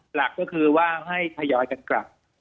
หลักก็คือว่าให้ทยอยกันกลับ